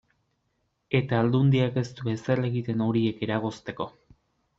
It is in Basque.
Eta Aldundiak ez du ezer egiten horiek eragozteko.